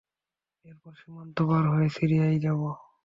এরপর সীমান্ত পার হয়ে সিরিয়ায় যাব।